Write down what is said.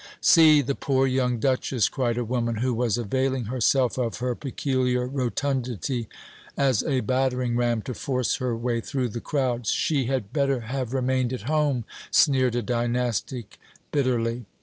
"See the poor young Duchess!" cried a woman, who was availing herself of her peculiar rotundity as a battering ram to force her way through the crowd. "She had better have remained at home!" sneered a Dynastic bitterly.